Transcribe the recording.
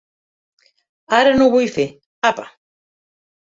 Ara no ho vull fer, apa!